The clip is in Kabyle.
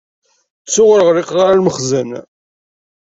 Ttuɣ ur ɣliqeɣ ara lmexzen.